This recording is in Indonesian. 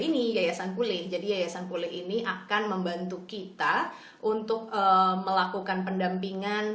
ini yayasan kulih jadi yayasan kulih ini akan membantu kita untuk melakukan pendampingan